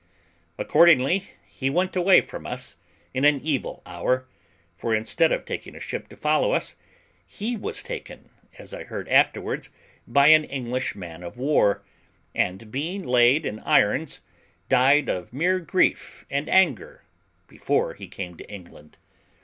Accordingly, he went away from us in an evil hour; for, instead of taking a ship to follow us, he was taken, as I heard afterwards, by an English man of war, and being laid in irons, died of mere grief and anger before he came to England.